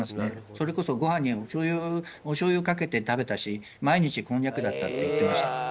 それこそごはんにおしょうゆかけて食べたし毎日こんにゃくだったって言ってました。